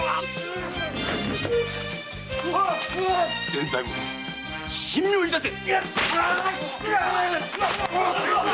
伝左衛門神妙にいたせ！